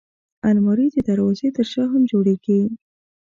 الماري د دروازې تر شا هم جوړېږي